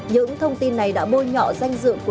những thông tin này đã bôi nhọ danh dự của